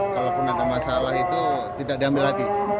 kalaupun ada masalah itu tidak diambil lagi